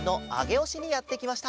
おしにやってきました。